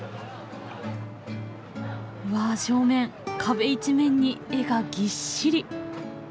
うわ正面壁一面に絵がぎっしり。